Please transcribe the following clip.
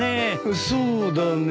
そうだね。